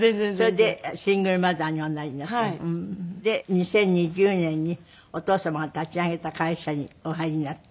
２０２０年にお父様が立ち上げた会社にお入りになって。